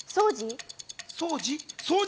掃除？